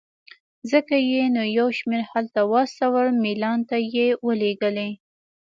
ځکه یې نو یو شمېر هلته واستول، میلان ته یې ولېږلې.